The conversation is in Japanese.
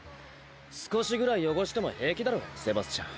少しぐらい汚しても平気だろセバスチャン。